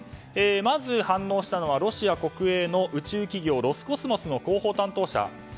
まず反応したのはロシア国営の宇宙企業ロスコスモスの広報担当者。